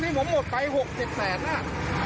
เมื่อกี้ผมหมดไปเจ็ดแสนน่ะ